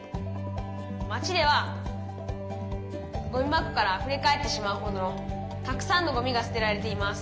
「町ではゴミ箱からあふれ返ってしまうほどのたくさんのゴミがすてられています」。